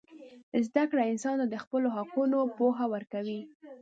زدهکړه انسان ته د خپلو حقونو پوهه ورکوي.